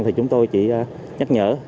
thì chúng tôi chỉ nhắc nhở